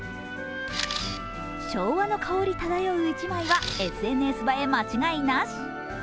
昭和の香り漂う一枚はＳＮＳ映え間違いなし。